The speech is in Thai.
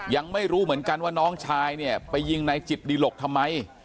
ยังไม่รู้เหมือนกันว่าน้องชายเนี่ยไปยิงนายจิตดิหลกทำไม